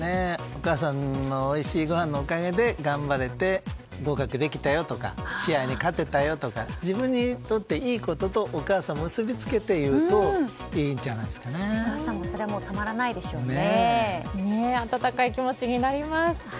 お母さんのおいしいごはんのおかげで頑張れて合格できたよとか試合に勝てたよとか自分にとっていいこととお母さんを結び付けて言うとお母さんも温かい気持ちになります。